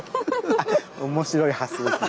面白い発想ですね。